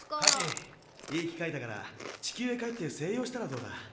ハチいい機会だから地球へ帰って静養したらどうだ？